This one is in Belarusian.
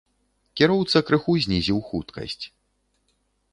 Кіроўца крыху знізіў хуткасць.